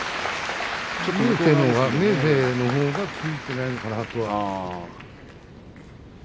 明生のほうがついていないのかなとは。